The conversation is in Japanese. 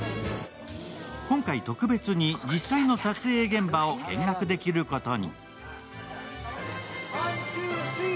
今回特別に、実際の撮影現場を見学できることに。